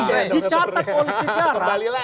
tapi dicatat polisi sejarah